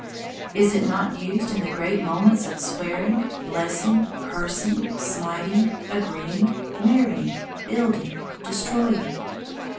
Is it not used in the great moments of swearing, blessing, cursing, smiting, agreeing, marrying, building, destroying?